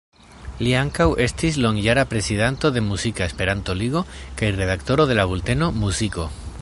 Li ankaŭ estis longjara prezidanto de Muzika Esperanto-Ligo kaj redaktoro de la bulteno "Muziko".